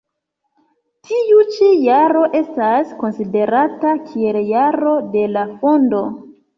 Tiu ĉi jaro estas konsiderata kiel jaro de la fondo.